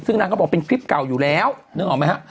ซึ่งนางก็บอกเป็นคลิปเก่าอยู่แล้วนึกออกไหมฮะ